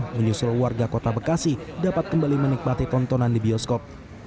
menyusul warga kota bekasi dapat kembali menikmati tontonan di bioskop